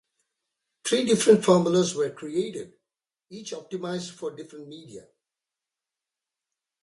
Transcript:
Three different formulas were created, each optimized for different media.